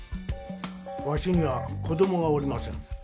わしには子どもがおりません。